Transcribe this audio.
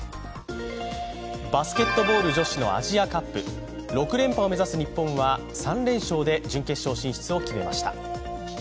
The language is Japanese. バスケットボール女子のアジアカップ、６連覇を目指す日本は３連勝で準決勝進出を決めました。